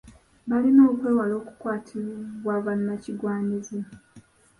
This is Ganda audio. Balina okwewala okutwalibwa bannakigwanyizi.